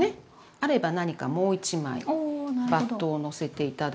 あれば何かもう一枚バットをのせて頂いてこういうふうにね。